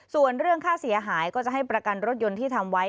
ส่วนเรื่องค่าเสียหายก็จะให้ประกันรถยนต์ที่ทำไว้